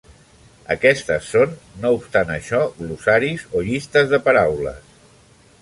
Aquestes són, no obstant això, glossaris o llistes de paraules.